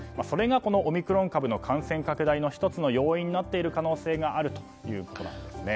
それがオミクロン株の感染拡大の１つの要因になっている可能性があるということです。